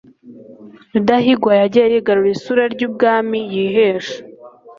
rudahigwa yagiye yigarurira isura ry'ubwami yihesha